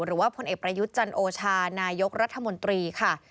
พลเอกประยุทธ์จันโอชานายกรัฐมนตรีค่ะ